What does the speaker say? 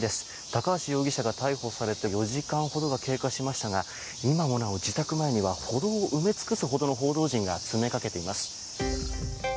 高橋容疑者が逮捕されて４時間ほどが経過しましたが今もなお自宅前には歩道を埋め尽くすほどの報道陣が詰めかけています。